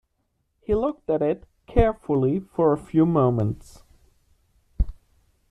He looked at it carefully for a few moments.